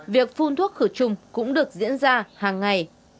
việc phun thuốc khử trùng cũng được diễn ra hàng ngày